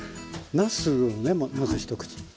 なすをねまず一口。